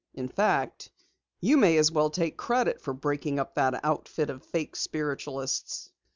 "In fact, you may as well take credit for breaking up that outfit of fake spiritualists."